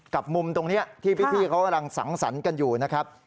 กับมุมตรงนี้ที่พี่เขากำลังสังสรรค์กันอยู่นะครับ